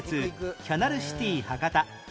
キャナルシティ博多